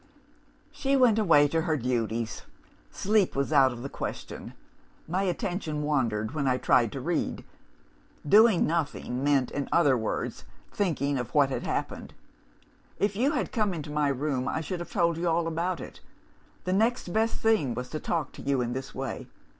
"She went away to her duties. Sleep was out of the question. My attention wandered when I tried to read. Doing nothing meant, in other words, thinking of what had happened. If you had come into my room, I should have told you all about it. The next best thing was to talk to you in this way.